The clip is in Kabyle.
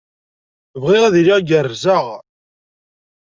Bɣiɣ ad iliɣ gerrzeɣ.